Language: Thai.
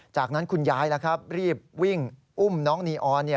จากนั้นคุณยายรีบวิ่งอุ้มน้องนีออน